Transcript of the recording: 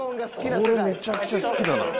これめちゃくちゃ好きだな。